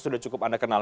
sudah cukup anda kenal